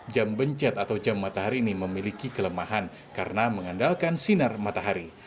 jam bencet atau jam matahari ini memiliki kelemahan karena mengandalkan sinar matahari